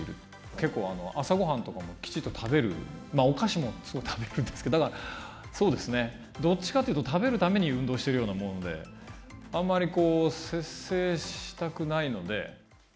結構、朝ごはんとかもきちんと食べる、お菓子もすごい食べるんですけど、だから、そうですね、どっちかっていうと、食べるために運動してるようなもんで、あんまりこう、節制したくないので。